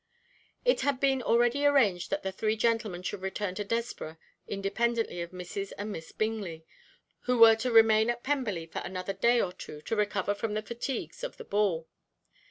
It had been already arranged that the three gentlemen should return to Desborough independently of Mrs. and Miss Bingley, who were to remain at Pemberley for another day or two to recover from the fatigues of the ball.